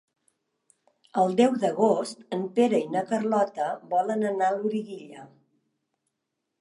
El deu d'agost en Pere i na Carlota volen anar a Loriguilla.